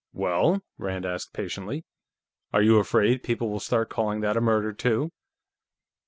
"Well?" Rand asked patiently. "Are you afraid people will start calling that a murder, too?"